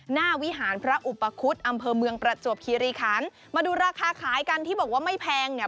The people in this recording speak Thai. วิหารพระอุปคุฎอำเภอเมืองประจวบคีรีคันมาดูราคาขายกันที่บอกว่าไม่แพงเนี่ย